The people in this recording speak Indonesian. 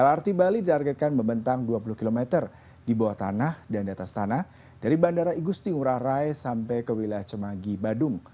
lrt bali ditargetkan membentang dua puluh km di bawah tanah dan di atas tanah dari bandara igusti ngurah rai sampai ke wilayah cemagi badung